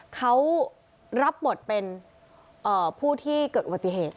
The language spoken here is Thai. เขารับบทเป็นผู้ที่เกิดอุบัติเหตุ